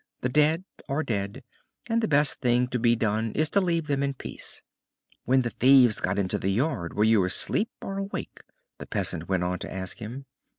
The dead are dead, and the best thing to be done is to leave them in peace!" "When the thieves got into the yard, were you asleep or awake?" the peasant went on to ask him.